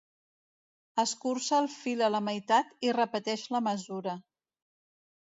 Escurça el fil a la meitat i repeteix la mesura.